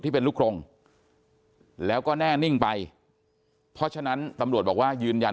ที่เป็นลูกกรงแล้วก็แน่นิ่งไปเพราะฉะนั้นตำรวจบอกว่ายืนยัน